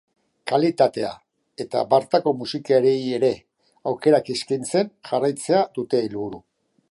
Kalitatea, eta bertako musikariei ere, aukerak eskaintzen jarraitzea dute helburu.